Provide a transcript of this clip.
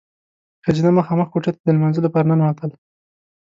ښځینه مخامخ کوټې ته د لمانځه لپاره ننوتل.